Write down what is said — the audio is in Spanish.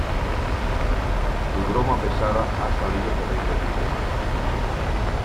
Su broma pesada ha salido terriblemente mal.